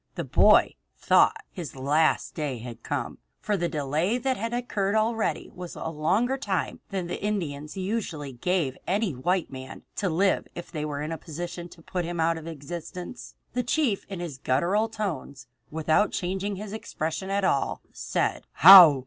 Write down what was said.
The boy thought his last day had come, for the delay that had occurred already was a longer time than the Indians usually gave any white man to live if they were in a position to put him out of existence. The chief in his guttural tones, without changing his expression at all, said: "How?"